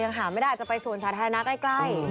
หาไม่ได้อาจจะไปสวนสาธารณะใกล้